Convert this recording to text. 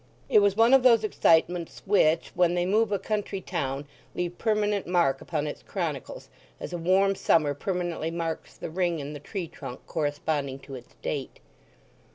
It was one of those excitements which, when they move a country town, leave permanent mark upon its chronicles, as a warm summer permanently marks the ring in the tree trunk corresponding to its date.